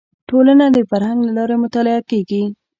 ټولنه د فرهنګ له لارې مطالعه کیږي